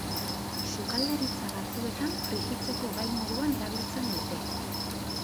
Sukaldaritza batzuetan frijitzeko gai moduan erabiltzen dute.